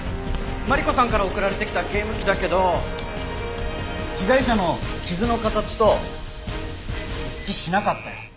マリコさんから送られてきたゲーム機だけど被害者の傷の形と一致しなかったよ。